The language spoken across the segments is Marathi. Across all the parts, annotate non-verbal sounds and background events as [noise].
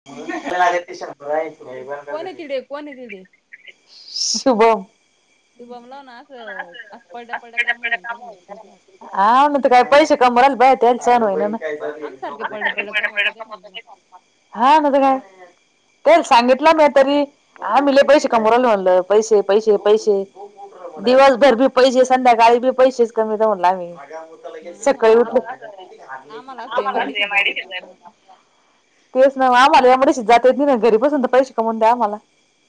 [inaudible] कोण आहे तिडे कोण आहे तिडे शुभम शुभम ला ना असं असं पडल्या पडल्या काम होईन का [unintelligible] हा म ते काय पैसे कमवायला आम सारखे पडड्या पडड्या कमवताय ते म्हणून [inaudible] तुम्हाला हा ना त काय? कोण सांगितला का तरी आमहीले पैसे कमवू राहिलो म्हणलं पैसे पैसे पैसे. दिवसभर बी पैसे संध्याकाळी बी पैसेच कमी मग [unintelligible] आम्हाला सकाळी असं उठल की. आम्हाला असं एम आय डी सीत जायचं काम [unintelligible] तेच ना आम्हाला एम आय डी सी त जात होती ना घरी बसून तर पैसे कमवून द्या आम्हाला.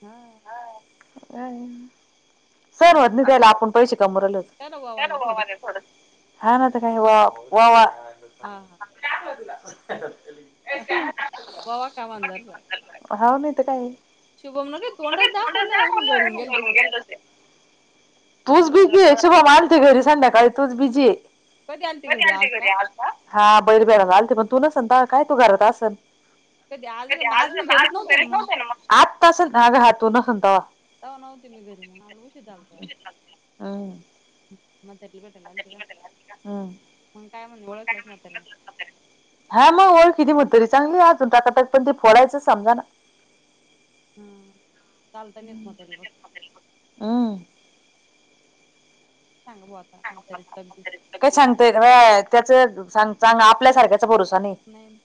हां. हा हाय. सहन आम्ही होत काय नाही त्याला आपण पैसे कमवू राहिलोत त्याला वावा द्या थोडस [inaudible] हा नाय त काय वा वोवा हा हा काय हवय तुला [inaudible] [inaudible] हाव नाही तर काय. शुभम ला काय तोंडच दाखव मग घरून गेल तसे. तूच लग्न झालं बिझी आहे शुभम आलते घरी संध्याकाळी तूच बिझी आहे. कधी आलते घरी आज. आ. हा बैर पैरालय आलते पण तू नसल तर काय तू घरात असल. कधी आज आज मी घरीच नव्हते ना मग. आत्ता तासल हां ग हां तू नसलं तवा. तवा नव्हती मी घरी मला उशीर झालता. हम्म म्हातारी भेटायला आलती का हम्म मग काय म्हणे ओळखलंस म्हातारीला. हा मग ओळखी दि म्हातारी तरी चांगली अजून टकाटक पण ते फोडायचं समजा ना. हम्म चालता नाही येत म्हातारीला बघ. हम्म सांग बुवा आता म्हातारीची अगदी. काय सांगत बया त्याचांग चांग आपल्या सारख्याचा भरोसा नाही. नाही.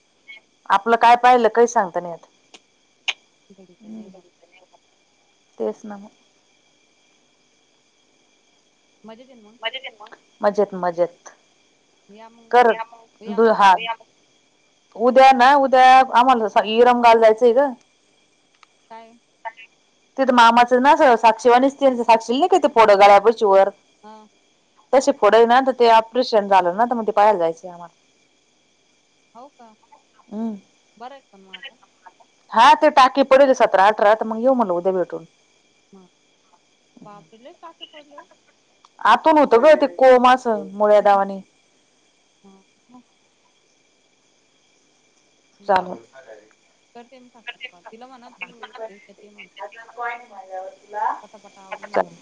आपलं काय पाहिलं काही सांगता नाही येत. घडीचा नाही बर तेच ना मग. मजेत हाय ना मग मजेत मजेत या मग करोना या मग मूळ [inaudible] उद्या ना उद्या आम्हाला [inaudible] इरगाला जायचंय हाय ग काय तिथ मामाचं ना अस साक्षीवानीच साक्षीला नाही का इथ फोड्या गळ्या पशी वर हा तसे फोड्या हाय ना ते ऑपरेशन झालं ना म ते पाहायला जायचं आम्हाला. हाव का हम्म बरं हायत पण मग आता. हा ते टाके पडते सतरा अठरा तर मग येऊ म्हणल उद्या भेटून. हा बापरे लयच टाके पडले हो आतून होत ग ते कोम अस मुळ्यादावांनी हा मग ह चालल करते मी साक्षीला कॉल तिला म्हणा तू एक तर ते म्हणा कॉइन झाल्यावर तुला [inaudible] पटापटा आवरून घ्या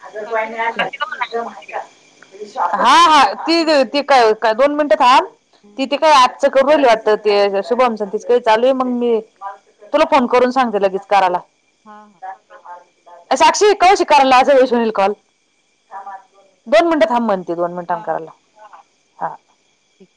हा जर कॉइन साक्षीला म्हणा मिळाला [inaudible] ऐका हा हा ती त क दोन मिनिट थांब ती तिकड आत सकाळी बोलली वाटत ती शुभमच आणि तीच काय चालू आहे मग मी तुला फोन करून सांगते लगेच करायला. हा हा ये साक्षी काऊ अशी कारलीस [inaudible] लाजालीस करेल कॉल दोन थांब म्हणते दोन मिनिटन करायला लाव ठीक